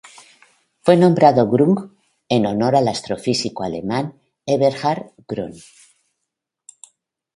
Fue nombrado Grün en honor al astrofísico alemán Eberhard Grün.